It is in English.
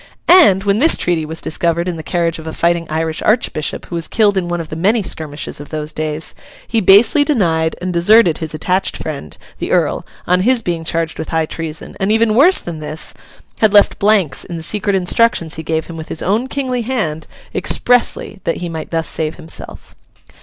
And, when this treaty was discovered in the carriage of a fighting Irish Archbishop who was killed in one of the many skirmishes of those days, he basely denied and deserted his attached friend, the Earl, on his being charged with high treason; and—even worse than this—had left blanks in the secret instructions he gave him with his own kingly hand, expressly that he might thus save himself.